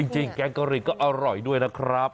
แกงกะหรี่ก็อร่อยด้วยนะครับ